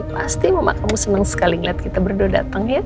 pasti mama kamu senang sekali melihat kita berdua datang ya